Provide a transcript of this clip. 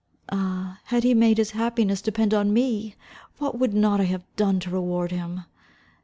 Ah, had he made his happiness depend on me, what would not I have done to reward him!